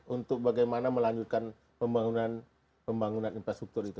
untuk bagaimana melanjutkan pembangunan infrastruktur itu